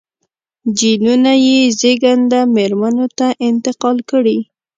جینونه یې زېږنده مېرمنو ته انتقال کړي.